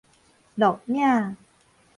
錄影